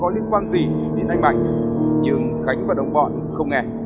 định bốn trăm linh triệu đồng